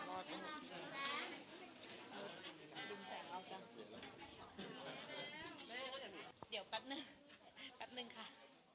ขอบคุณแบงค์จ้า